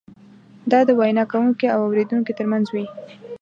دا د وینا کوونکي او اورېدونکي ترمنځ وي.